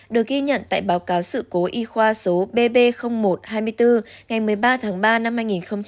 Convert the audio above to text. được ghi nhận tại báo cáo sự cố y khoa số bb một hai mươi bốn ngày một mươi ba tháng ba năm hai nghìn hai mươi